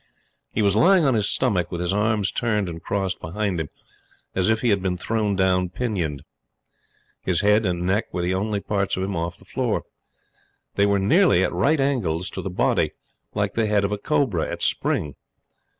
He was lying on his stomach, with his arms turned and crossed behind him, as if he had been thrown down pinioned. His head and neck were the only parts of him off the floor. They were nearly at right angles to the body, like the head of a cobra at spring.